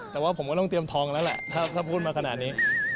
แต่ว่าผมก็ต้องเตรียมทองแล้วแหละถ้าพูดมาขนาดนี้